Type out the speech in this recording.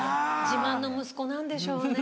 自慢の息子なんでしょうね。